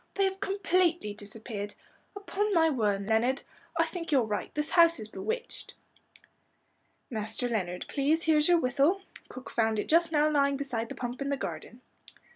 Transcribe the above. "They have completely disappeared. Upon my word, Leonard, I think you're right, this house is bewitched." "Master Leonard, please, here's your whistle. Cook found it just now lying beside the pump in the garden."